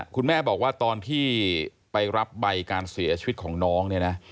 คุณแม่บอกว่าตอนที่ไปรับใบการเสียชีวิตของน้องเนี่ยนะ